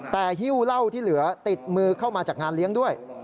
แต่หิ้วเหล้าที่เหลือติดมือเข้ามาจากงานเลี้ยงด้วย